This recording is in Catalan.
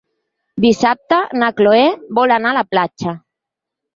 Dissabte na Cloè vol anar a la platja.